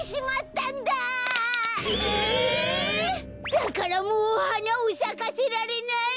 だからもうはなをさかせられない。